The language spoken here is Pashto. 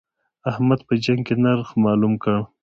احمد په جنګ کې نرخ مالوم کړ.